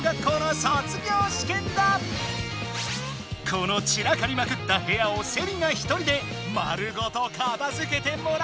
この散らかりまくった部屋をセリナ一人で丸ごと片づけてもらうぞ！